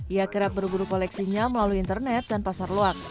ia kerap berguruk koleksinya melalui internet dan pasar luar